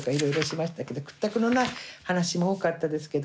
屈託のない話も多かったですけど。